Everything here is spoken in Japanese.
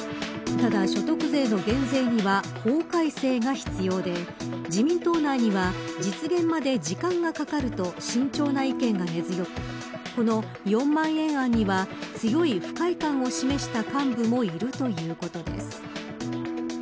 ただ、所得税の減税には法改正が必要で自民党内には実現まで時間がかかると慎重な意見が根強くこの４万円案には強い不快感を示した幹部もいるということです。